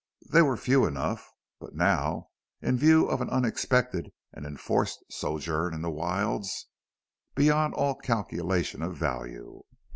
They were few enough, but now, in view of an unexpected and enforced sojourn in the wilds, beyond all calculation of value.